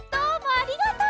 ありがとう！